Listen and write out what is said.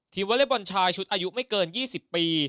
วอเล็กบอลชายชุดอายุไม่เกิน๒๐ปี